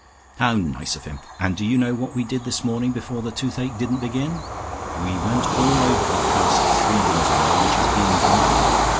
"How nice of him! And do you know what we did this morning, before the toothache didn't begin? We went all over that house three doors away, which is being done up.